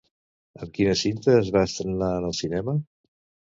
Amb quina cinta es va estrenar en el cinema?